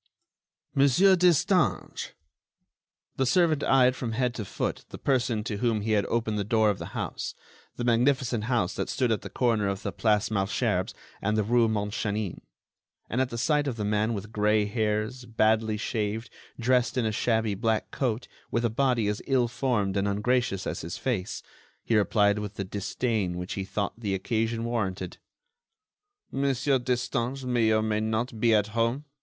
"Monsieur Destange!" The servant eyed from head to foot the person to whom he had opened the door of the house—the magnificent house that stood at the corner of the Place Malesherbes and the rue Montchanin—and at the sight of the man with gray hairs, badly shaved, dressed in a shabby black coat, with a body as ill formed and ungracious as his face, he replied with the disdain which he thought the occasion warranted: "Monsieur Destange may or may not be at home.